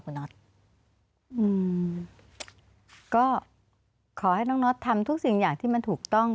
ก็ขอให้น้องน็อตทำทุกสิ่งอย่างที่มันถูกต้อง